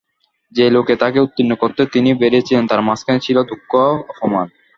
যে লোকে তাকে উত্তীর্ণ করতে তিনি বেরিয়েছিলেন, তার মাঝখানে ছিল দুঃখ-অপমান।